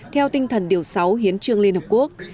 theo tinh thần điều sáu hiến trương liên hợp quốc